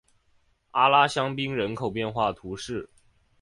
阿拉香槟人口变化图示